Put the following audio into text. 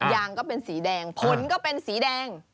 ยางก็เป็นสีแดงผลก็เป็นสีแดง